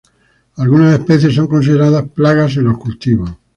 Algunas especies son consideradas plagas en los cultivos.